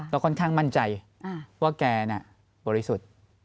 ก็ค่อนข้างมั่นใจว่าแกน่ะบริสุทธิ์